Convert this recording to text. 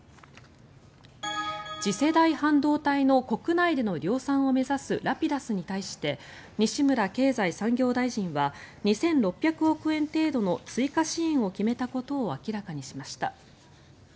次世代半導体の国内での量産を目指すラピダスに対して西村経済産業大臣は２６００億円程度の追加支援を決めたことを明らかにしました。